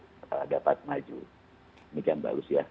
membuat kita dapat maju